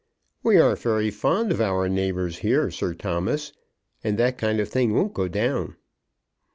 "We are very fond of our neighbours here, Sir Thomas, and that kind of thing won't go down."